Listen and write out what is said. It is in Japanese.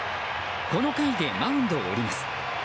この回でマウンドを降ります。